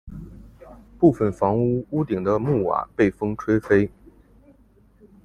部分房屋屋顶的木瓦被风吹飞。